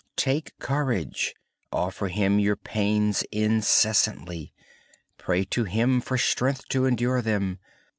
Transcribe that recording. Take courage. Offer Him your pain and pray to Him for strength to endure them.